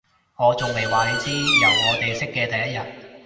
我仲未話你知，由我哋識嘅第一日